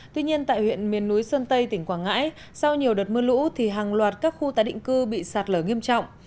tuy nhiên tại huyện miền núi sơn tây tỉnh quảng ngãi sau nhiều đợt mưa lũ thì hàng loạt các khu tái định cư bị sạt lở nghiêm trọng